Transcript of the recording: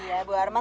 iya bu arman